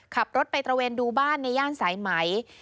ขับรถไปตระเวนดูบ้านในย่านสายไหม